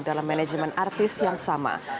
dalam manajemen artis yang sama